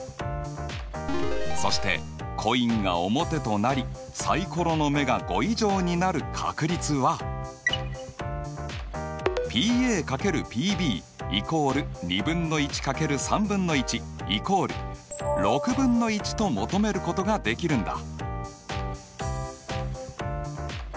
そしてコインが表となりサイコロの目が５以上になる確率はと求めることができるんだ。